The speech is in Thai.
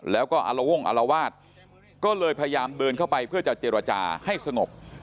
แล้วก็อารวงอารวาสก็เลยพยายามเดินเข้าไปเพื่อจะเจรจาให้สงบ